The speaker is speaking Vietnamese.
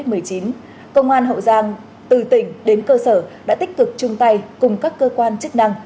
tỉnh đến cơ sở đã tích cực chung tay cùng các cơ quan chức năng